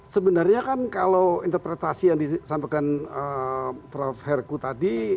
sebenarnya kan kalau interpretasi yang disampaikan prof herku tadi